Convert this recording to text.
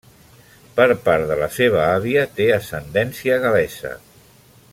Per part de la seva àvia té ascendència gal·lesa.